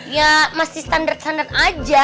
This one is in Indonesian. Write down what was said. ya masih standar standar aja